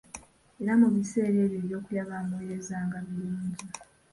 Era mu biseera ebyo ebyokulya baamuweerezanga birungi.